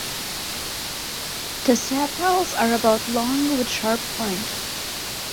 The sepals are about long with sharp point.